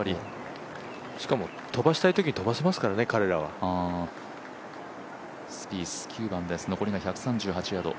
しかも飛ばしたいときに飛ばせますからね、彼らは。スピース、９番です残りが１３８ヤード。